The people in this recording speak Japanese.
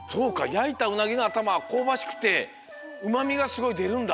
やいたうなぎのあたまはこうばしくてうまみがすごいでるんだ。